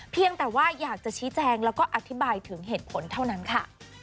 เพียงแต่ว่าอยากจะชี้แจงแล้วก็อธิบายถึงเหตุผลเท่านั้นค่ะ